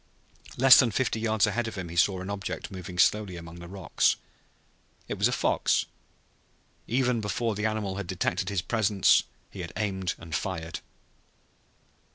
Less than fifty yards ahead of him he saw an object moving slowly among the rocks. It was a fox. Even before the animal had detected his presence he had aimed and fired.